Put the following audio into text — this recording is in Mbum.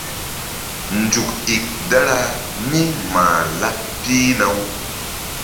Nzuk ík dara mí mah laɓ pihna-u.